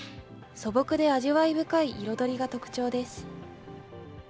素朴で味わい深い彩りが特徴です。